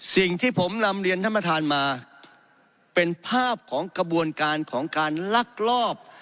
สิ่งที่ผมนำเรียนท่านประธานมาเป็นภาพของกระบวนการของการลักลอบ